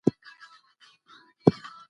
زه باید دا قواعد په یاد وساتم.